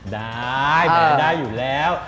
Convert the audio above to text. ได้ไม่ได้อยู่แล้ว